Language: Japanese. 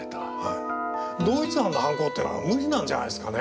同一犯の犯行っていうのは無理なんじゃないですかね。